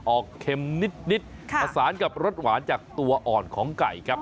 เค็มนิดผสานกับรสหวานจากตัวอ่อนของไก่ครับ